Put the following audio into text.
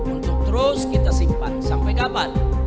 untuk terus kita simpan sampai kapan